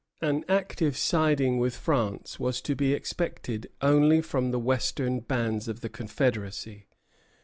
An active siding with France was to be expected only from the western bands of the Confederacy.